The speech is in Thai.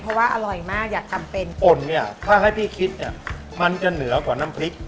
เพราะว่าอร่อยมากอยากทำเป็น